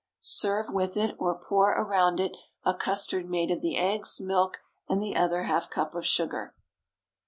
Serve with it, or pour around it, a custard made of the eggs, milk, and the other half cup of sugar.